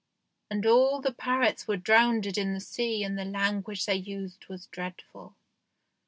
And all the parrots were drownded in the sea and the language they used was dreadful."